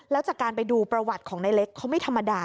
แล้วจากการไปดูประวัติของในเล็กเขาไม่ธรรมดา